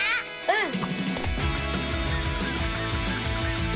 うん！